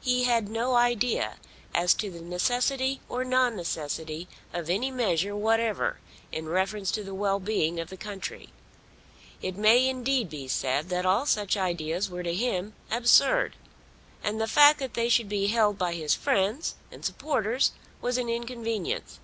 He had no idea as to the necessity or non necessity of any measure whatever in reference to the well being of the country. It may, indeed, be said that all such ideas were to him absurd, and the fact that they should be held by his friends and supporters was an inconvenience.